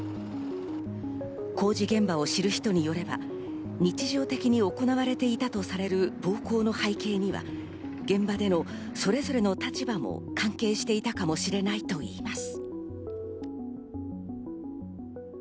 工事現場を知る人によれば、日常的に行われていたとされる暴行の背景には現場でのそれぞれの立場も関係していたかもしれないといいます。